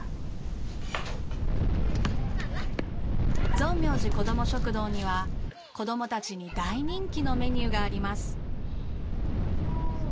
ぞんみょうじこども食堂には子どもたちに大人気のメニューがあります。